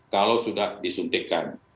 jika sudah disuntikkan